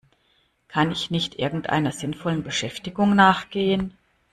Kann ich nicht irgendeiner sinnvollen Beschäftigung nachgehen?